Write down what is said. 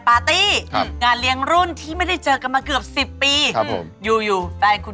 วงเล็บที่ไม่ได้สนิทมาก